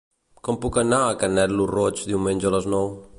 Com puc anar a Canet lo Roig diumenge a les nou?